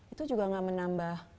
itu juga gak menambah